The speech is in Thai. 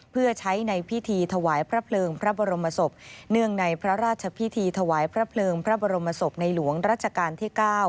เพื่อใช้ในพิธีถวายพระเพลิงพระบรมศพเนื่องในพระราชพิธีถวายพระเพลิงพระบรมศพในหลวงรัชกาลที่๙